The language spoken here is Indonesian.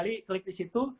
klik di atas web saya